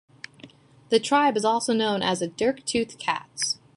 The tribe is also known as the "dirk-toothed cats".